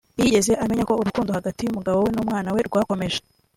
ntiyigeze amenya ko urukundo hagati y’umugabo we n’umwana we rwakomeje